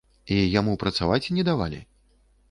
І яму працаваць не давалі?